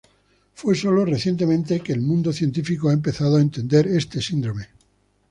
Fue sólo recientemente que el mundo científico ha empezado a entender este síndrome.